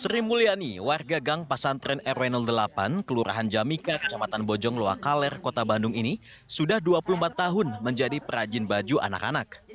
sri mulyani warga gang pesantren rw delapan kelurahan jamika kecamatan bojong loakaler kota bandung ini sudah dua puluh empat tahun menjadi perajin baju anak anak